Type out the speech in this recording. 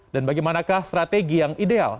dan bagaimanakah strategi yang ideal